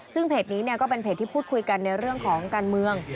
ซึ่งเพจนี้ก็เป็นเพจที่พูดคุยกันในเรื่องของการเมือง